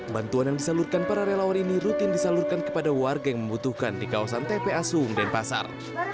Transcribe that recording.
bantuan yang disalurkan para relawan ini rutin disalurkan kepada warga yang membutuhkan di kawasan tpa sung denpasar